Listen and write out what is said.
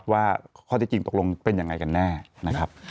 ว่าข้อที่จริงตกลงเป็นยังไงกันแน่นะครับ